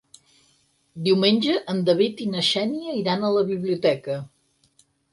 Diumenge en David i na Xènia iran a la biblioteca.